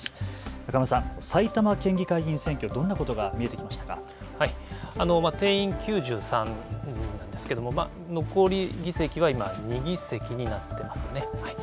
中村さん、埼玉県議会議員選挙、定員９３人なんですけれども、残り議席は、今、２議席になっていますかね。